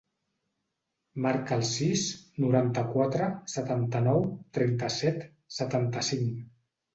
Marca el sis, noranta-quatre, setanta-nou, trenta-set, setanta-cinc.